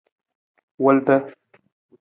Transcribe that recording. Wulda.